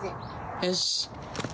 よし。